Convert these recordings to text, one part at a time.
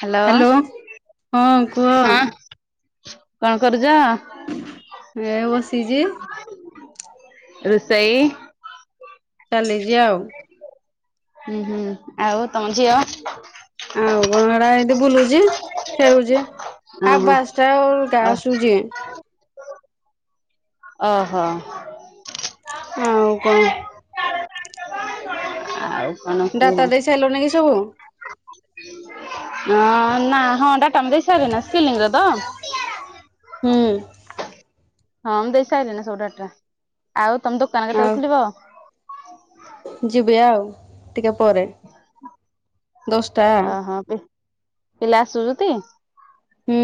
Hello hello ହଁ କୁହ ହଁ। କଣ କରୁଛ? ଏ ବସିଛି ରୋଷେଇ ଚାଲିଛି ଆଉ। ହୁଁ ହୁଁ। ଆଉ ତମ ଝିଅ? ଆଉ କଣ ହେରା ଏମିତି ବୁଲୁଛି ଓ ହୋ। ଚାଉଳ ଅଲଗା ଆସୁ ଯିଏ। ଓ ହୋ। ଆଉ କଣ? ଆଉ କଣ କୁହ? ଡାଟା ଦେଇ ସାରିଲନି କି ସବୁ ହୁଁ। ନାଁ ନାଁ ହଣ୍ଡା ଟା ମୁଁ ଦେଇ ସାଇଲେଇଁ ନା ସ୍ପିଲିଂରେ ତ? ହୁଁ ହଁ ମୁଁ ଦେଇସାରିଲେଣି ନା ସବୁ ଡାଟା। ଆଉ ତମ ଦୋକାନ ଆଉ କେତେବେଳେ ଖୋଲିବ? ଯିବି ଆଉ ଟିକେ ପରେ। ଦଶଟା ଓହୋ, ପି-ପିଲା ଆସୁଚୁତି? ହୁଁ,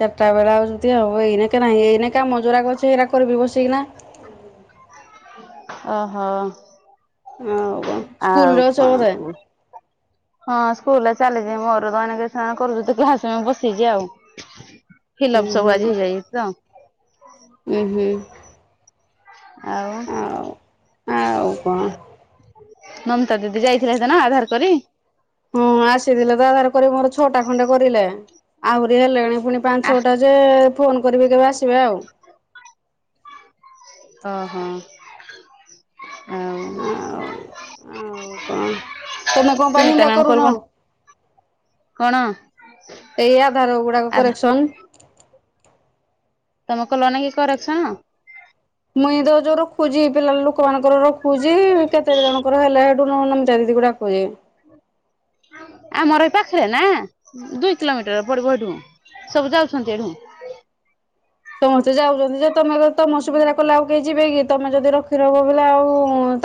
ଚାଟା ବେଳେ ଆଉ ଯଦି ହବ, ଏଇନେ କେ ନାହିଁ ଏଇନେ କାମ ଜୋରାକ ଅଛି ଏଇଟା କରିବି ବସିକିନା। ଓ ହୋ। ଆଉ କଣ ଆଉ ସ୍କୁଲରେ ଅଛ କଣ ବୋଧେ କୁଅ? ହଁ ସ୍କୁଲ୍ ର ଚାଲିଚି ମୋର [unintelligible] କରୁଚି ତ [unintelligible] ବସେଇଛି ଆଉ। ହୁଁ ଫିଲପ୍ ସବୁ ହୁଁ ଆଜି ହେଇଯାଇଛି ତ। ଉଁ, ହୁଁ। ଆଉ। ଆଉ, ଆଉ କଣ? ମମତା ଦିଦି ଯାଇଥିଲେ ସେଦିନ ଆଧାର କରି? ହଁ ଆସିଥିଲେ ତ ଆଧାର କରି ମୋର ଛଅଟା ଖଣ୍ଡେ କରିଲେ। ଆହୁରି ହେଲେଣି ପୁଣି ପାଞ୍ଚ ଆ ଛଅଟା ଯେ ଫୋନ୍ କରିବି କେବେ ଆସିବେ ଆଉ। ଓ, ହଁ ଆଉ ଓ, କଣ ତୋମେ କଣ ପାଇଁ ସୁନିତା ହିନ୍ଦା ମ୍ୟାମ୍ କଲ୍ କରୁନ? କଣ କଣ? ଏଇ ଆଧାର ଗୁଡାକ ଆଧା କରେକ୍ସନ୍। ତୋମେ କଲ ନା କି କରେକ୍ସନ? ମୁଇଁ ତ ଯୋଉ ରଖୁଛି ପିଲା ଲୋକମାନଙ୍କର ରଖୁଛି, କେତେ ଜଣଙ୍କର ହେଲା। [unintelligible] ଆମର ଏ ପାଖରେ ନା ଦୁଇ କିଲୋମିଟର ପଡିବ ଏଠୁଁ, ସବୁ ଯାଉଛନ୍ତି ଏଠୁଁ। ସମସ୍ତେ ଯାଉଚନ୍ତି ଯେ ତୋମେ ତ ତୋମ ଅସୁବିଧାଟା କଲେ ଆଉ କେହି ଯିବେ କି? ତୋମେ ଯଦି ରଖି ରହିବ ବଲେ ଆଉ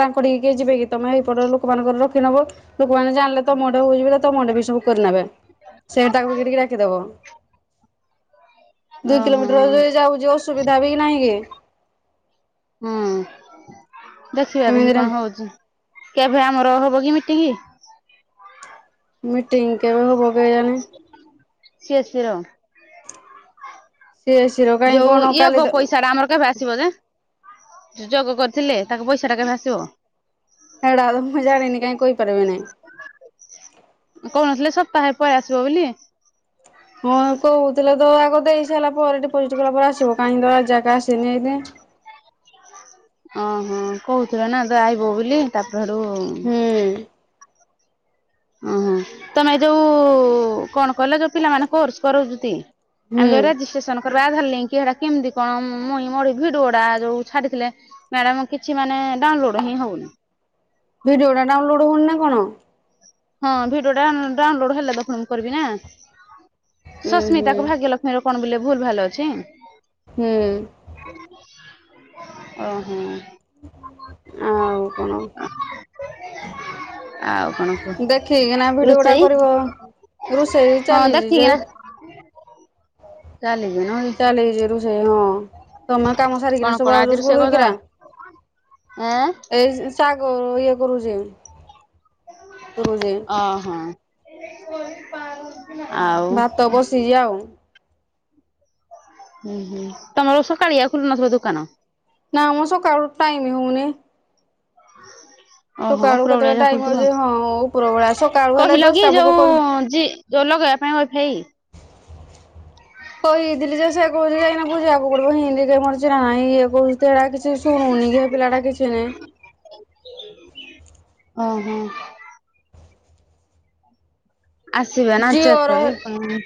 ତାଙ୍କ କୁଆଡେ କିଏ ଯିବେ କି? ତୋମେ ଏଇପଟ ଲୋକମାନଙ୍କର ରଖି ନବ, ଲୋକମାନେ ଜାଣିଲେ ତୋମ ଆଡେ ବୁଝିବେ କେ ତୋମ [unintelligible] ବି ସବୁ କରିନେବେ। ସେ ତାକୁ କିରିକି ଡାକି ଦବ। ଓ ହଁ। [unintelligible] ଯାଉଛି ଅସୁବିଧା ବି ନାହିଁ କି? ହୁଁ ଦେଖିବା ଦେଖି ଏମିତିରେ କଣ ହଉଛି, କେବେ ଆମର ହବ କି ମିଟିଂ? ମିଟିଂ କେବେ ହବ? କେଜାଣି ସିଏ ସିର ସେଷ ଯୋଉ ଇଏ ଗ-ପଇସା ଟା ଆମର କେବେ ଆସ ଆସିବ ଯେ ଯୋଗ କରିଥିଲେ, ତାଙ୍କ ପଇସା ଟା କେବେ ଆସିବ। ଏଡା ମୁଁ ଜାଣିନି କାଇଁ କହିପାରିବି ନାଇଁ। କହୁ ନଥିଲେ ସପ୍ତାହେ ପଳେଇଆସିବ ବୋଲି। ହଁ କହୁଥିଲେ ତ ଆଗ ଦେଇ ସାରିଲା ପରେ, ଡିପୋଜିଟ୍ କଲା ପରେ ଆସିବ କାହିଁକି ତ ଆ ଯାକ ଆସିନି ଏବେ। ଓହଁ, କହୁଥିଲେ ନା ଏବେ ଆଇବ ବୋଲି ତାପର ହେଠୁ ଉଁ, ହୁଁ ଓ ହଁ ତୋମେ ଯୋଉ କଣ କଲ ଯୋଉ ପିଲାମାନେ କୋର୍ସ କରଉଚୁତି। ଆମେ ଯୋଉ ହୁଁ। ରେଜିଷ୍ଟ୍ରେସନ କରିବା ଆଧାର ଲିଙ୍କ ସେଟା କେମିତି କଣ ମୁ ମୁଇଁ ମୋଡ ଏଇ ଭିଡିଓଟା ଯୋଉ ଛାଡିଥିଲେ। ମ୍ୟାଡାମ୍ କିଛି ମାନେ ଡାଉନଲୋଡ୍ ହିଁ ହଉନି। ଭିଡିଓ ଟା ଡାଉନଲୋଡ୍ ହଉନି ନା କଣ? ହଁ ଭିଡିଓ ଡାଉନୁ ଡାଉନଲୋଡ୍ ହେଲେ ତ ଫୁଣି ମୁଁ କରିବି ନା, ଉଁ ସସ୍ମିତା ହୁଁ। କୁ ଭାଗ୍ୟ ଲକ୍ଷ ମାଡାମ୍ ଫୋନ୍ କଲେ ଭୁଲ ଭାଲ ଅଛି। ହୁଁ। ଓ ହଁ। ଆଉ କଣ ଆଉ କଣ କୁହ ଦେଖି ଠିକି ନା ଭିଡିଓଟା ରୋଷେଇ କରିବ ରୋଷେଇ ହଁ ଚାଲିଛି ଯେ ଚାଲିିବ ନଇ ଏଇ ଯେ ରୁଷେଇ ହଁ। ତମେ କାମ କଣ ସାରିକିନା କଣ ସବୁ ଆଜି ଆୁଲ ରୋଷେଇ କରିଦବ ହେଇକିରା ଏଁ ଏଇ ଶାଗ ଇଏ କରୁଛି କରୁଛି। ଅ ହଁ। ଭାତ ବସେଇଛିଯ ଆଉ ହୁଁ ହୁଁ ତମର ସକାଳେଆୟ ଖୁଲୁ ନଥିଲଦୋକାନ। ନା ମୁଁ ସକାଳ ଟାଇମ ହଉନି। ହଁ [unintelligible] ଓହୋ ସକାଳୁ କେତେବେଳେ ପ୍ରଭଳିଆ ଯା ଟାଇମ ଖିବ ହଉଛି ହଁ ଉପର ବେଳା ସକାଳୁ ହେଲେ କହିଲ କି ଦଶଟା ବେଳକୁ ଯୋଉ କରି ଯି ଜୋଲଗବା ପାଇଁ ଭ ଫାଇ [unintelligible] କହିଥିଲି ଯେ ସେ କହୁଛି ଯାଇନା ବୁଝିବାକୁ ପଡିବ ହିନ୍ଦ କେୁଛି ନାାଇଁ ଏ କହୁଛି ସେଇଟା କିଛି ଏଶୁଣୁନି ଏ ପିଲା ଟା କିଛି ନାହିଁ। ଓ ହୋ। ଆସିବେ ନା ଚେକ୍ ଜିଓର କରିବେ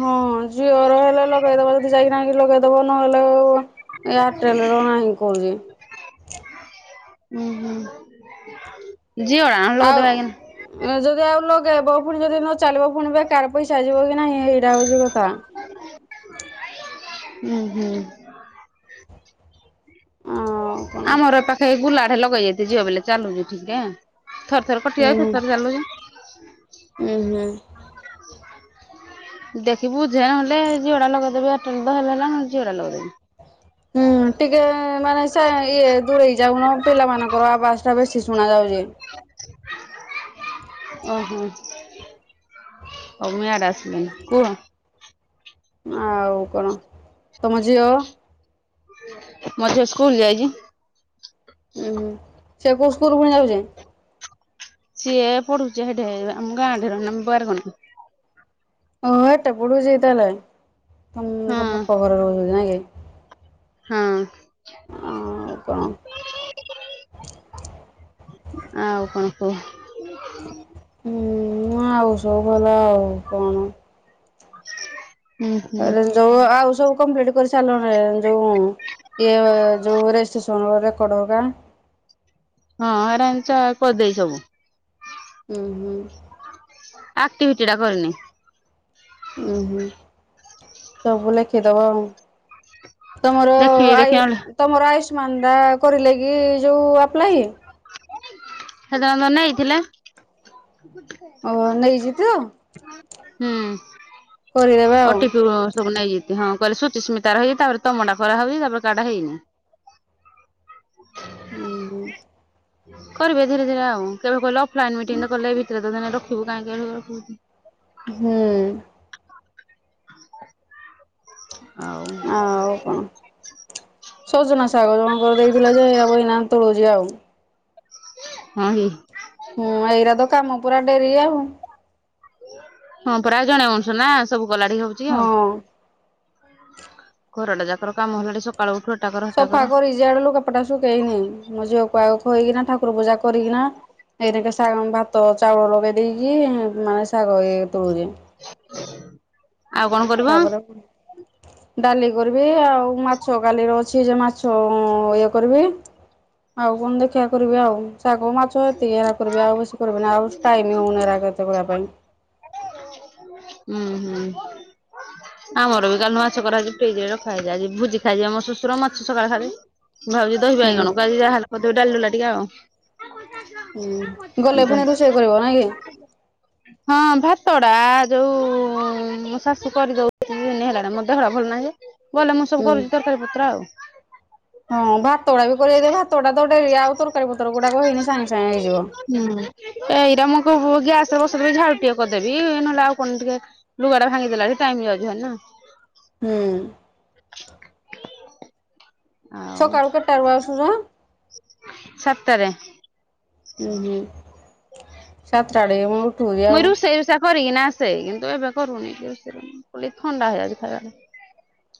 ହଁ ଝିଅର ହେଲେ ଲଗେଇଦବ ଯଦି ଯାଇକିନା ଲଗେଇଦବ ନହେଲେ ଆ ଏୟାରଟେଲର ନାହିଁ କହୁଜି। ହୁଁ, ହୁଁ ଝିଅଡା ଆଉ ଲଗେଇଦବା [unintelligible] ଯଦି ଆଉ ଲଗେଇବ ପୁଣି ଯଦି ନ ଚାଲିବ ପୁଣିି ବେକାର ପଇସା ଯିବ କି ନାହିଁ ଏଇଟା ହଉଛି କଥା। ଉଁ ହୁଁ। ଆଉ। କଣ ଆମର ଏ ପାଖ ଏଇ ଗୁଲା ଢ଼େ ଲଗେଇଜିତି ଜିଅ ବଲେ ଚାଲୁଛି ଠିକରେ ଥରେ ଥରେ କଟିଯାଉଜି ଥର ଥରେ ଚାଲୁଛି। [inaudible] ଉଁ ହୁଁ। [inaudible] ଦେଖି ବୁଝେ ନହେଲେ ଜିଓ ଡା ଲଗେଇଦେବି ଏୟାରଟେଲ ଦ ହେଲାନା ଜିଓ ଡା ଲଗେଇଦେବି। ହୁଁ ଟିକେ ମାନେ ସେ ଇଏ ଦୂରେଇ ଯାଉନ ପିଲାମାନଙ୍କର ଆବାଜ ଟା ବେଶୀ ଶୁଣା ଯାଉଚି। [inaudible] ଓହୋ ହଉ ମୁଁ ଇଆଡ଼େ ଆସିଲିଣି କୁହ ଆଉ କଣ ତମ ଝିଅ। ମଧ୍ୟ ସ୍କୁଲ ଯାଇଜି। ଉୁଁହୁ ସେ କଉ ସ୍କୁଲ ପୁଣି ଯାଉଯି। ସିଏ ପଢୁଚି ହେଢେ ଆମ ଗାଁ ଠାରୁ ବାରଗଣ ଓଁ ହେଟେ ପୁଡୁଯି ତାହେଲେ ତମ ହଁ କଟକ ରେ ରହୁଜ ନାଇଁ କି। ହଁ। ଆଉ କଣ। ଆଉ କଣ କହ? ହୁଁ ଆଉ ସବୁ ଭଲ ଆଉ କଣ। [inaudible] ହୁଁ ଯୋଉ ଆଉ ସବୁ କମ୍ପ୍ଲିଟ କରି ସାରିଲନେ ଯୋଉ [unintelligible] ହଁ ହେରା ହିନ୍ଦି ଚା କରିଦେଇଚି ସବୁ। ଉଁ ହୁଁ। ଆକ୍ଟିଭିଟି ଟା କରିନି। ଉୁଁ ହୁଁ ସବୁ ଲେଖିଦବ ଆଉ। ତମର ଦେଖିବି ଦେଖି ଆଉ। ନହେଲେ ତମର ଆୟୁଷ୍ମାନ ଟା କରିଲେ କି ଯୋଉ ଆପ୍ଲାଏ। ସେଇଟା ଆମର‌ ନେଇଥିଲେ। ଓହୋ ନେଇଛି ତ ହୁଁ କରିଦେବେ ଆଉ ଓଟିପି ବ ସବୁ ନେଇଚନ୍ତି ହଁ କୁଆଡେ ସୁଚିସ୍ମତା ର ହେଇଯାଇଚି ତା ପରେ ତମ କାମ କୁଆଡେ ହଉଛି କାର ଟା ହେଇନି। ହୁଁ। କରିବେ ଧୀରେ ଧୀରେ ଆଉ କେବେ କହିଲେ ଅଫଲାଇନ ମିଟିଂ କଲେ ଭିତରେ ତ ଦିନେ ରଖିବୁ କାହିଁ କେ ହୁଁ। [unintelligible] ଆଉ। ଆଉ କଁ। ସଜନା ଶାଗରେ କଁ କରିଦେଇ ଥିଲା ଯେ ଦେଇଥିଲେ ଯେ ଏଇରାକ ଏଇନା ତୋଳୁଜି ଆଉ। ହଁ କି। ହୁଁ ଏଇରା ତ କାମ ପୁରା ଡେରି ଆଉ। ହଁ ପରା ଜେଣେ ମଣିଷ ନା ସବୁ କଲାଢ଼ିକି ହଉଚି ଆଉ। ହଁ। ଘରଟା ଯାକର କାମ ହେଲାଣି ସ ସକାଳୁ ଉଠୁ ହେଟା କ ସଫା କରିଯି ଯେ ସିଆଡେ ଲଗାପଟା ଶୁଖେଇନି ମୋ ଝିଅ କୁ ଆଗ ଖୁଆଇକିନା ଠା ଠାକୁର ପୁଜା କରିକିନା ଏଇରେକେ ଶା ଭାତ ଚାଉଳ ଲଗେଇ ଦେଇକି ଏଇନା ଶାଗ ଇଏ ତୋଳୁଛି। [unintelligible] ଆଉ କଣ କରିବ? ତାପରେ ଡାଲି କରିବି, ଆଉ ମାଛ କାଲି ର ଅ ଅଛି ଯେ ମାଛ ଇଏ କରିବି ଆଉ କଣ ଦେଖିବା କରିବି ଆଉ। ଶାଗ, ମାଛ ଏତିକି ହେରା କରିବି ଆଉ ବେଶୀ କରିବିନି ଆଉ ଟାଇମ ହଉନି ଏରାକ ଏତେ କରିବା ପାଇଁ। ଉଁ ହୁଁ। ଆମର ବି କାଲି ଠୁ ମାଛ କରା ହେଇକି ଫ୍ରିଜ ରେ ରଖା ଆଜି ଭୋଜି ଖାଇ ଯିବେ ମୋ ଶୋଶୁର ମାଛ ସକାଳେ ଖାଇବେ। ମୁ ଭାବୁଛି ହୁଁ ଦହିବାଇଗଣ କୁ ଆଜି ଯା ହେଲେ କରିଦେବି ଡାଲି ଡୁଲା ଟିକେ ଆଉ। [unintelligible] ହୁଁ, ଗଲେ ପୁଣି ରୁଷେଇ କରିବ ନାଇଁ କି। ହଁ, ଭାତଡା ଯୋଉ ଶାଶୁ କରିଦଉ ହେଲାଣି ମୋ ଦେହଟା ଭଲ ନାହିଁ ଯେ ଗଲେ, ମୁଁ ସବୁ ହୁଁ। କରୁଛି ତରକାରୀ ପତ୍ର ଆଉ। ହଁ, ଭାତ ଗୁାଡା ବି କରବେ ଯେ ଭାତ ଗୁଡା ତ ଡେରି ଆଉ ତରକାରୀ ପତର ଗୁଡାକ ହେଇନେ ସାଙ୍ଗେ ସାଙ୍ଗେ ହେଇଯିବ। ହୁଁ, ତ ଏଇରାକ ମୁଁ କ ଗ୍ୟାସ ରେ ବସେଇଦେଲେ ଝଅଟି ଟିକେ କରିଦେବି ନହେଲେ ଆଉ କଣ ଟିକେ। ଲୁଗାଟା ଭାଙ୍ଗିଦେଲା ବି ଟାଇମ ଯାଉଛି ଭାରି ନା। ହୁଁ। ଆଉ ସକାଳୁ କେତେଟାରୁ ଆସୁଛ? ସତରେ। ଉଁ ହୁଁ ‌ସାତ ଟା ଠେ କଁ ଉଠୁଚି କି ମୁଇଁ ଆଉ। ରୋଷେଇ ରୁଷା କରିକିନା ଆସେ କିନ୍ତୁ ଏବେ କରୁନି ରୋଷେର କରୁନି ମୁଁ କହିଲି ଥଣ୍ଡା ହେଇଯାଉଛି ଖାଇଲାଠୁ।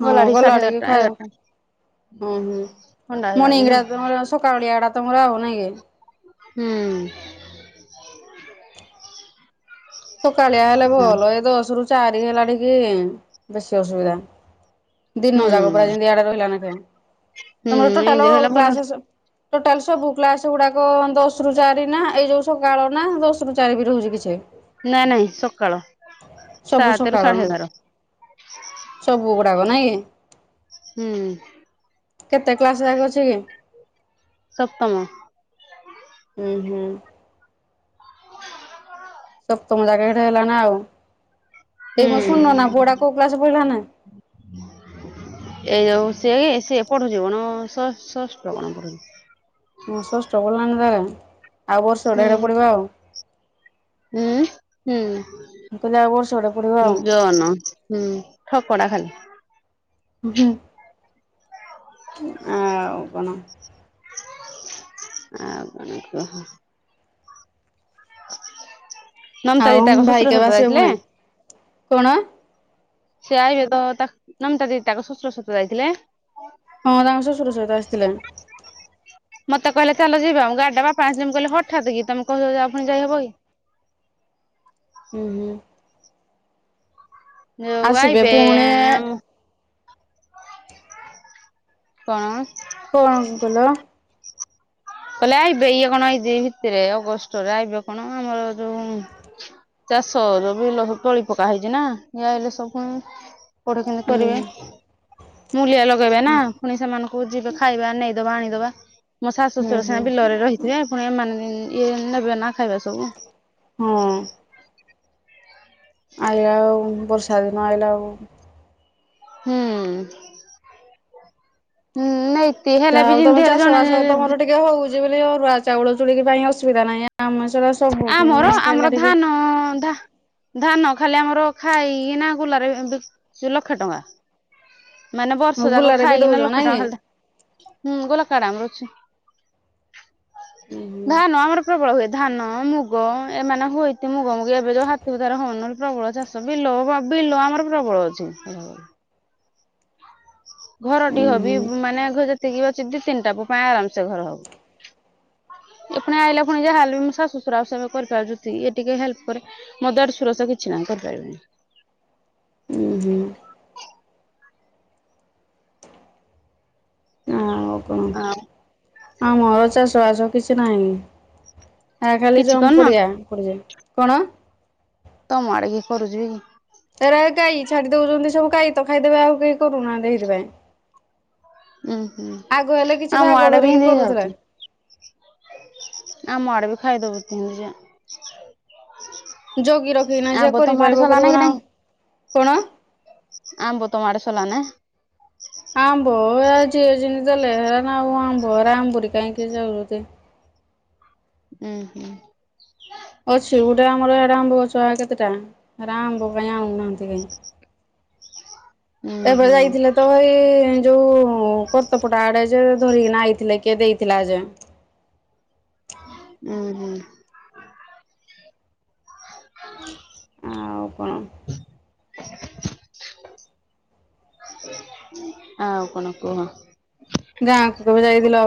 ହଁ ଗଲାଢି ଗଲା ସାଢେ ଟିକେ ଏଗାରଟା ଖାଇ ହୁଁ ଏଗାରଟା ଥଣ୍ଡା ହେଇଯାଉଛି ନା। ସକା‌ ଓଳିଆ ଟା ତୁମର ଆଉ ନାଇଁ କି। ହୁଁ। ସକାଳିଆ ହେଲେ ଭଲ। ଏ ଦଶ ରୁ ଚାରି ହେଲା ଟିକି ବେଶୀ ଅସୁବିଧା। ଦିନ ଯାକ ପୁରା ହୁଁ ଯେମତି ଇଆଡେ ରହିଲା ନେଖେ ହୁଁ ତମର ଟୋଟାଲ ଏମିତି ଅଲ୍ ରହିଲେ ଭଲ କ୍ଲାସ ସେ ଟୋଟାଲ ସବୁ କ୍ଲାସ ଗୁଡାକ ଦଶ ରୁ ଚାରି ନା ଏଇ ଯୋଉ ସକାଳ ନା ଦଶ ରୁ ଚାରି ବି ରହୁଛି କିଛି ନାଇଁ ନାଇଁ, ସକାଳ ସବୁ ସାତ ରୁ ସକାଳ ସାଢ଼େ ନା? ଏଗାର। ସବୁ ଗୁଡ଼ାକ ନାଇଁ। ହୁଁ କେତେ କ୍ଲାସ ଯାକ ଅଛି କି? ସପ୍ତମ। ହୁଁ ହୁଁ। [unintelligible] ତମ ଜାଗା ହେଲା ନାଁ ଆଉ ହୁଁ ଏଇ ଶୁନ୍ ନନା ପଡା କୋଉ କ୍ଲାସ୍ ପଢିଲା ନାଁ। [unintelligible] ଏଇ ଯଉ ସିଏ ସିଏ ପଠୁଛି କଣ ଷଷ୍ଠ କଣ ପଢୁଛି। ପୁଅ ଷଷ୍ଠ ପଡିଲାଣିି ରେ ଆଉ ବର୍ଷ ହୁଁ ଅଢେ ପଡିବ ଆଉ। ହୁଁ ମୁଁ କହିଲି ଆଉ ବର୍ଷ ଟେ ପଢିବ ହୁଁ ଆଉ। ଜନ [unintelligible] ହୁଁ ଠକଡ଼ା ଖାଲି। ହୁଁ ଆଉ କଣ? ଆଉ କଣ କହ? ଆଉ ନମତାଦି ତାଙ୍କ ଭାଇ ଶ୍ୱଶୁର କେବେ ଘରକୁ ଆସିବେ ଯାଇଥିଲେ। ପୁଣି? କଣ? ସେ ଆଇବେ ତ ତା ନମିତା ଦିଦି ତାକୁ ଶ୍ୱଶୁର ଶଶୁର ଯାଇଥିଲେ। ହଁ ତାଙ୍କଶ୍ୱଶ୍ୱୁର ସହିତ ଆସିଥିଲେ। ମତେ କହିଲା ଚାଲ ଯିବା ଗଡା ପାଞ୍ଚ ଦିନ କହିଲେ ହଠାତ୍ କି ତମେ କହିବ ଯ ଆଉ ଯାଇହବ କି। ହୁଁ ହୁଁ। ଏୱଇ ଆସିବେ ପୁଣି ବେଇଆମ୍ [unintelligible] କଣ? କଣ କଲ? କହିଲେ ଆଇବେ ଇଏ କଣ ଏଇ ଭିତିରେ ଅଗଷ୍ଟରେ ଆଇବେ କଣ ଆମର ଯୋଉ ଚାଷ ଜମି ଲ ତଳି ପକା ହେଇଚି ନାଁ ଇଆ ହେଲେ ସବୁ ପଢ କିି ହୁଁ କରିବେ ମୁଲିଆ ଲଗେଇବେ ନାଁ। ପୁଣି ସେମାନଙ୍କୁ ଯିବେ ଖାଇବା ନେଇଦବା ଆଣିଦବା ମୋ ଶାଶୁ ହୁଁ ଶଶୁର ସିନା ହୁଁ ବିଲରେ ରହି ଇ ଏ ପୁଣି ଏମାନେ ଇଏ ନେବେ ନାଁ ଖାଇବା ସବୁ। ହଁ ଆଇଲା ଆଉ ବର୍ଷାରେ ନ ଆଇଲା ଆଉ। ହୁଁ ହୁଁ ନାଇ ଯିଏ ହେଲେ ବି ଯେମିତିରେ ଜଣେ ଇଏ ହଉଚି ବୋଲି ଅରୁଆ ଚାଉଳ ଚୁରୁକି ପାଇଁ ଅସୁବିଧା ନାହିଁ ଆଉ। ଆମେ ସିନା ସବ୍ ଆମର ଆମର ଧାନ ଧା ଧାନ ଖାଲି ଆମର ଖାଇକି ନାଁ କୁଲାରେ ଲକ୍ଷେ ଟଙ୍କା। ମାନେ ବର୍ଷ ଯାକ ଗୁଲାରେ ବି ଖାଇକିନା ଦଉଛ ଲକ୍ଷ ନାଇଁ କି? ଟଙ୍କାଖା ହୁଁ ଗୋଲା କାଡା ଆମର ଅଛି ଉଁ ହୁଁ ଧାନ ଆମର ପ୍ରବଳ ହୁଏ। ଧାନ ମୁଗ ଏମାନେ ହୁଇତ ମୁଗ ମୁଗ ଏବେ ଯୋଉ ହାତୀଉ ଧାର ହଉନହଲେ ପ୍ରବଳ ଚାଷ। ତବିଲୋ ବିଲ ଆମର ପ୍ରବଳ ଅଛି‌। ଉଁ ହୁଁ ଘରଢ଼ିହବି ମାନେ ଆଙ୍କ ଯେତିକି ବି ତିନିଟା ପୁଅ ଆରାମସ ଘର ହବ। ଏ ପୁଣି ଆଇଲା ପୁଣି ଯାହା ହେଲେ ବି ମୋ ଶାଶୁଶଶୁର ଆଛି ନ୍ତି କରିପାରାନ୍ତି ଟିକେଇଏ ଟିକେଏ ହେଲ୍ପ କରେ। ମୋ ଦେଢଶୁର ସେ କିଛି କାମ କରିପାରିବିନି। ହୁଁ ହୁଁ। ଆଉ କଣ ଆଉ ଆମର ଚାଷ ବାସ କିଛି ନାହିଁ। ଆ ଖାଲି କିଛି ଜମି କରୁନ ପଡିଆ ପଡିଛି କଣ? ତମଆଡେ କି କରୁଛି କି? ଏରା ଗାଈ ଛାଡି ଦଉଛନ୍ତି ସବୁ ଗାଈ ତ ଖାଇଦେବେ ଆଉ କେହି କରୁନାହନ୍ତି ସେଇଥି ପାଇଁ। ଉୁଁ ହୁଁ ଆଗ ହେଲେ କିଛି ଆମ ଭାଗ ଆଡେ ବି ଧରିକି ହେନ୍ତି ହେଇଯାଉଛି କରୁଥିଲେ। ଆମ ଆଡେ ବି ଖାଇ ଦଉଛନ୍ତି ଯେ। ଜଗି ରଖିକି ନା ଯିଏ ଆମ୍ବ ତମ ଆଡେ କରିପାରିବ ସଲାନା କରିବ କି ନା ଆଉ ନାହିଁ କଣ? ଆମ୍ବ ତମଆଡେ ସରିଲାଣି ନା। ଆମ୍ବ [unintelligible] କିଏ ଯାଉଛନ୍ତି? ଉଁ ହୁଁ। ଅଛି ଗୋଟେ ଆମର ଆରେ ଆମ୍ବ ଗଛ କେତେଟା ଆମ୍ବ ପାଇଁ ଆଣୁନାହାନ୍ତି କାଇଁ। ହ ଏବେ ଯାଇଥିଲେ ତ ଏଇ ଯୋଉ କର୍ତ୍ତପଟା ଆଡେ ଯେ ଧରିକି ନା ଆଇଥିଲେ କିଏ ଦେଇଥିଲା ଯେ। ହୁଁ ହୁଁ। ଆଉ କଣ? ଆଉ କଣ କୁହ? ଗାଁକୁ କେବେ ଯାଇଥିଲ?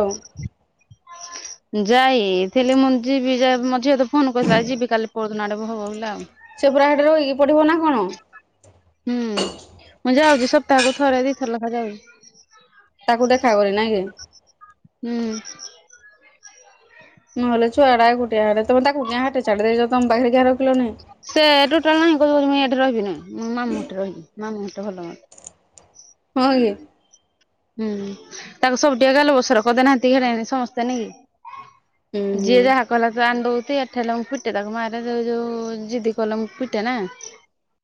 ଯାଇଥିଲି ମୁଁ ଯିବି ଯାଇ ମୋ ଝିଅବତ ଫୋନ କରିଥିଲା ଯିବି କାଲି ପରଦିନ ଆଡକୁ ହବ ବୋଲେ ଆଉ। ସେ ପୁରା ସେଠି ରହିକି ପଢିବ ନା କଣ? ହୁଁ ମୁଁ ଯାଉଛି ସପ୍ତାହକୁ ଥରେ ଦିଥର ଲେଖା ଯାଉଛି। ତାକୁ ଦେଖା କରେ ନାଇଁ କି? ହୁଁ। ନହେଲେ ଛୁଆଡା ଏକୁଟିଆ ସେଠି। ତମେ ତାକୁ କିଆଁ ସେଠି ଛାଡ଼ି ଦେଇଛ ତମ ପାଖରେ କିଆଁ ରଖିଲନି? ସେ ଟୋଟାଲ ନାହିଁ କହୁଚି ମୁଁ ଏଠି ରହିବି ନାହଁ ମାମୁଁଘରେ ରହିବି ମାମୁଁ ଘରେ ଭଲ ମୋର। କହନି। ହୁଁ ତାକୁ ସବୁ ଟିକେ ଗେଲ ବସର କରିଦେନାହାନ୍ତି ଆର ଟିକେ ସମସ୍ତେ ହୁଁ ନେଇକି। ଯିଏ ହୁଁ। ଯାହା କହିଲା ଆଣ ଦଉଛି ଏଠି ହେଲା ମୁଁ ପି ଏଠି ହେଲା ବେଳକୁ ମାରେ ଯୋଉ ଜିଦି କଲେ ମୁଁ ପିଟେ ନା।